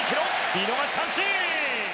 見逃し三振！